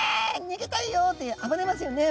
逃げたいよ！って暴れますよね。